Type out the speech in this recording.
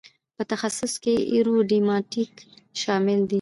په تخصص کې ایرو ډینامیک شامل دی.